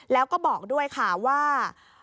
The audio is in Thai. แล้วก็บอกด้วยค่ะว่า